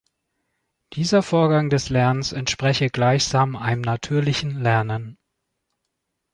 Dieser Vorgang des Lernens entspreche gleichsam einem natürlichen Lernen.